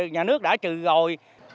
nhà nước đã trừ rồi